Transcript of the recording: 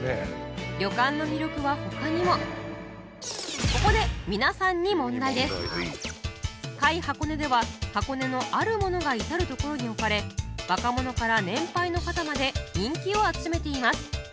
旅館の魅力は他にもここで皆さんに「界箱根」では箱根のあるものが至る所に置かれ若者から年配の方まで人気を集めています